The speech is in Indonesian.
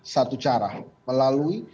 satu cara melalui